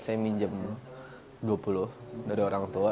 saya minjem dua puluh dari orang tua